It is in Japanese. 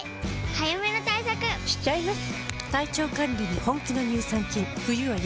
早めの対策しちゃいます。